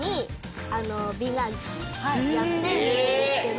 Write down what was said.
やって寝るんですけど。